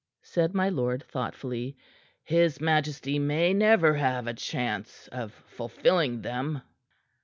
said my lord thoughtfully. "His majesty may never have a chance of fulfilling them."